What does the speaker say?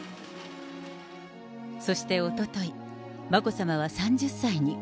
そしておととい、眞子さまは３０歳に。